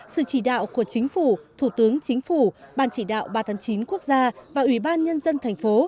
sự chỉ đạo của chính phủ thủ tướng chính phủ ban chỉ đạo ba trăm tám mươi chín quốc gia và ủy ban nhân dân thành phố